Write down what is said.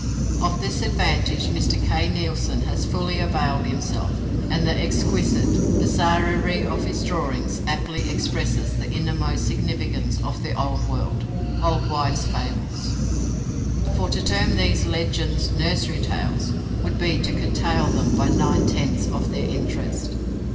Of this advantage Mr. Kay Nielsen has fully availed himself: and the exquisite bizarrerie of his drawings aptly expresses the innermost significance of the old world, old wives' fables. For to term these legends, Nursery Tales, would be to curtail them, by nine tenths, of their interest.